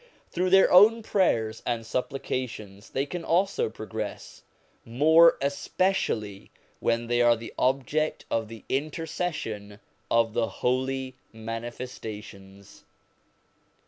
Through their own prayers and supplications they can also progress; more especially when they are the object of the intercession of the Holy Manifestations.